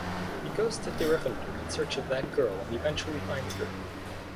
He goes to Thiruchendur in search of that girl and eventually finds her.